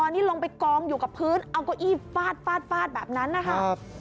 นี่ลงไปกองอยู่กับพื้นเอาเก้าอี้ฟาดฟาดฟาดแบบนั้นนะคะ